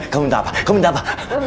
kamu minta apa kamu minta apa